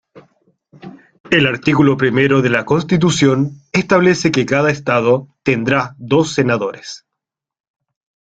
El artículo primero de la Constitución establece que cada estado tendrá dos senadores.